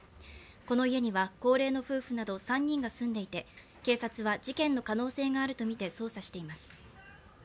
この家には高齢の夫婦など３人が住んでいて、警察は事件の可能性があると見て捜査しています。